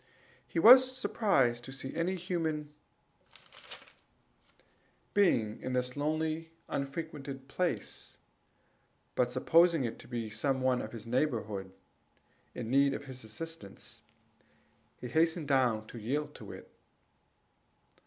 He was surprised to see any human being in this lonely and unfrequented place; but supposing it to be some one of the neighborhood in need of his assistance, he hastened down to yield it.